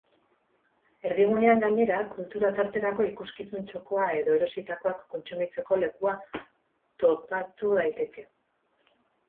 Erdigunean gainera, kultura tarterako ikuskizun txokoa edo erositakoak kontsumitzeko lekua topatu daiteke.